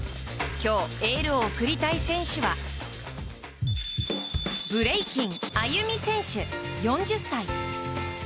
今日、エールを送りたい選手はブレイキン、ＡＹＵＭＩ選手４０歳。